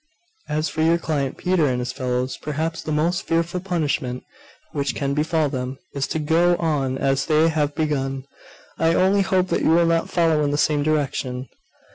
As for your client Peter and his fellows, perhaps the most fearful punishment which can befall them, is to go on as they have begun. I only hope that you will not follow in the same direction.